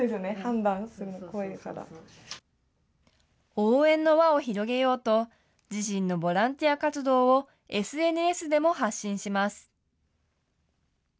応援の輪を広げようと、自身のボランティア活動をＳＮＳでも発信します。